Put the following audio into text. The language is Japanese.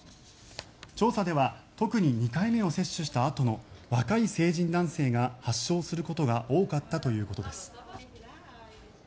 調査では特に２回目を接種したあとの若い成人男性が発症することが多かったということです。